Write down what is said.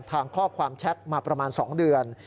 ทางข้อความแชทมาประมาณ๒เดือน